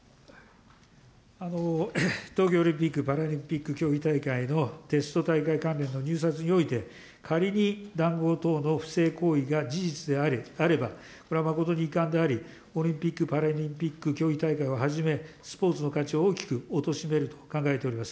東京オリンピック・パラリンピック競技大会のテスト大会関連の入札において、仮に談合等の不正行為が事実であれば、これは誠に遺憾であり、オリンピック・パラリンピック競技大会をはじめ、スポーツの価値を大きく貶めると考えております。